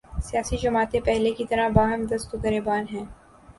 سیاسی جماعتیں پہلے کی طرح باہم دست و گریبان ہیں۔